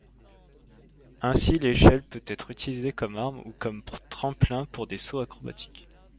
Ainsi l'échelle peut être utilisée comme arme ou comme tremplin pour des sauts acrobatiques.